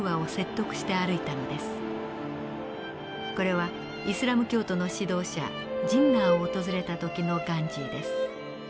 これはイスラム教徒の指導者ジンナーを訪れた時のガンジーです。